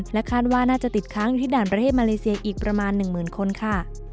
และคาดว่าน่าจะติดค้างที่ด่านประเทศมาเลเซียอีกประมาณหนึ่งหมื่นคนค่ะ